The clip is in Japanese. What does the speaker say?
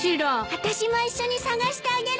あたしも一緒に捜してあげるわ。